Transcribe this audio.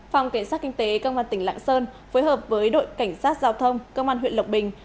phòng cảnh sát kinh tế công an tỉnh lạng sơn phối hợp với đội cảnh sát giao thông công an huyện lộc bình